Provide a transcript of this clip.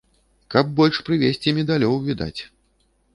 Каб больш прывезці медалёў, відаць!